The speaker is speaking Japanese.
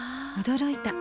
驚いた。